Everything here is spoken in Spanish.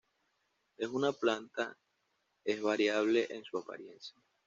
Es una planta es variable en su apariencia.